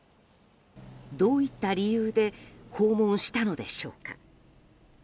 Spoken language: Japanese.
どういった理由で訪問したのでしょうか。